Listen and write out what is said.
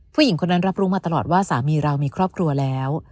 ผู้หญิงคนนั้นรับรู้มาตลอดว่าสามีเรามีครอบครัวแล้ว